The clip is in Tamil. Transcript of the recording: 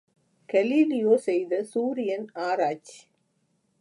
கலீலியோ செய்த சூரியன் ஆராய்ச்சி!